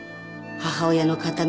母親の形見。